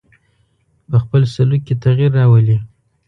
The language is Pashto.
په خپل سلوک کې تغیر راولي.